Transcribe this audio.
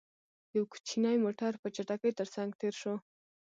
يو کوچينی موټر، په چټکۍ تر څنګ تېر شو.